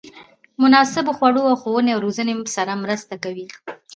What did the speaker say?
مناسبو خوړو او ښوونې او روزنې سره مرسته کوي.